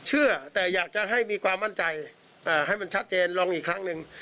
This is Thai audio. เชื่อแต่อยากจะให้มีความมั่นใจให้มันชัดเจนลองอีกครั้งหนึ่ง